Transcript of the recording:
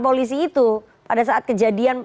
polisi itu pada saat kejadian